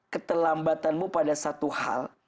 keterlambatanmu pada satu hal